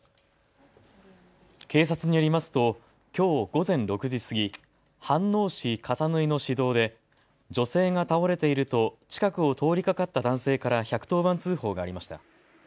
警察によりますときょう午前６時過ぎ、飯能市笠縫の市道で女性が倒れていると近くを通りかかった男性から１１０番通報がありました。